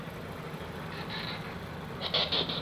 নিজাম সাহেব মেয়ের প্রশ্নের উত্তর দিতে পারলেন না।